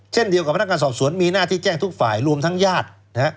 เช่นเดียวกับพนักงานสอบสวนมีหน้าที่แจ้งทุกฝ่ายรวมทั้งญาติ